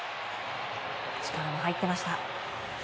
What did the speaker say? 力も入ってました。